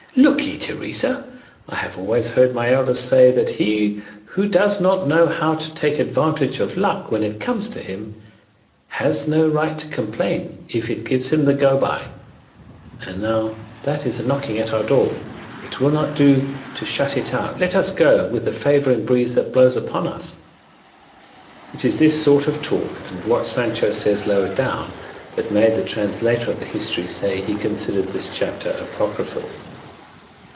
Look ye, Teresa, I have always heard my elders say that he who does not know how to take advantage of luck when it comes to him, has no right to complain if it gives him the go by; and now that it is knocking at our door, it will not do to shut it out; let us go with the favouring breeze that blows upon us." It is this sort of talk, and what Sancho says lower down, that made the translator of the history say he considered this chapter apocryphal.